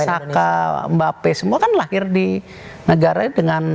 karena seperti saka mbak pei semua kan lahir di negara dengan